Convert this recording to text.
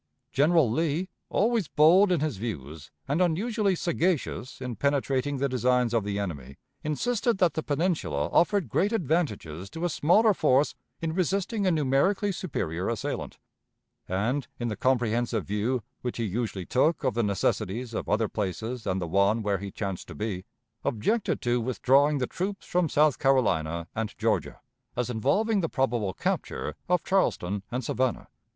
General Lee, always bold in his views and unusually sagacious in penetrating the designs of the enemy, insisted that the Peninsula offered great advantages to a smaller force in resisting a numerically superior assailant, and, in the comprehensive view which he usually took of the necessities of other places than the one where he chanced to be, objected to withdrawing the troops from South Carolina and Georgia, as involving the probable capture of Charleston and Savannah.